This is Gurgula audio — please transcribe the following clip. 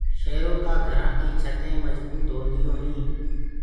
شيرو ڪآ گھرآ ڪي ڇتينٚ مجبوت هونديونٚ هينٚ۔